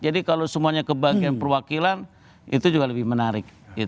jadi kalau semuanya kebagian perwakilan itu juga lebih menarik